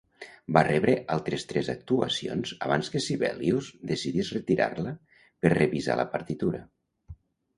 Va rebre altres tres actuacions abans que Sibelius decidís retirar-la per revisar la partitura.